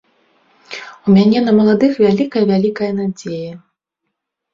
У мяне на маладых вялікая-вялікая надзея.